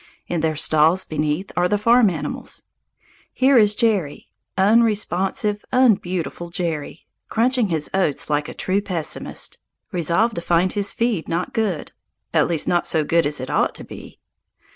In their stalls beneath are the farm animals. Here is Jerry, unresponsive, unbeautiful Jerry, crunching his oats like a true pessimist, resolved to find his feed not good at least not so good as it ought to be.